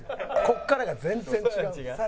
ここからが全然違う。